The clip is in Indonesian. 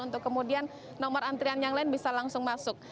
untuk kemudian nomor antrian yang lain bisa langsung masuk